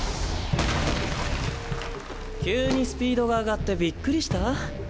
急にスピードが上がってびっくりした？